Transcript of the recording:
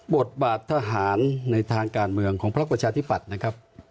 บทบาททหารในทางการเมืองของพักประชาธิปัตย์นะครับ